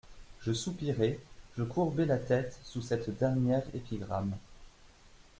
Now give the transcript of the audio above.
Je soupirai, je courbai la tête sous cette dernière épigramme.